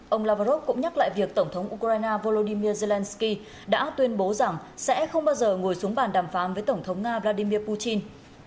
ông lavrov cũng nhắc lại việc tổng thống ukraine volodymyr zelensky đã tuyên bố rằng sẽ không bao giờ ngồi xuống bàn đàm phán với tổng thống nga vladimir putin